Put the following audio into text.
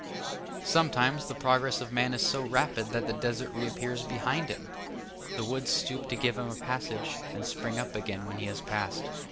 Sometimes the progress of man is so rapid that the desert reappears behind him. The woods stoop to give him a passage, and spring up again when he has passed.